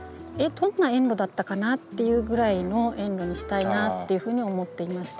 どんな園路だったかなっていうぐらいの園路にしたいなっていうふうに思っていました。